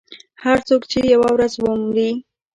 • هر څوک چې یوه ورځ مري.